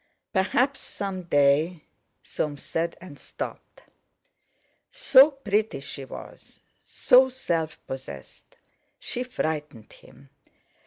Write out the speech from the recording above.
"Perhaps some day—" Soames said, and stopped. So pretty she was, so self possessed—she frightened him.